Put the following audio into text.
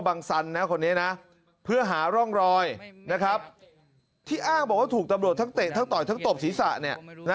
ทั้งเตะทั้งต่อยทั้งตบศีรษะ